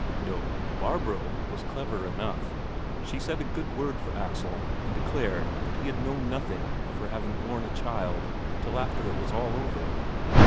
No, Barbro was clever enough; she said a good word for Axel, and declared that he had known nothing of her having borne a child till after it was all over.